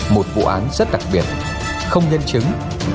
một vụ án rất đặc biệt không nhân chứng